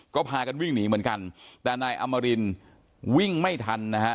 ก็พากันวิ่งหนีเหมือนกันแต่นายอมรินวิ่งไม่ทันนะฮะ